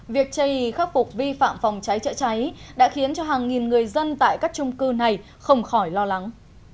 việc chây ý khắc phục vi phạm phòng cháy chữa cháy đã khiến cho hàng nghìn người dân tại các trung cư này không khỏi lo lắng